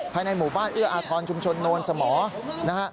ภายในหมู่บ้านเอื้ออาทรชุมชนโนนสมอนะฮะ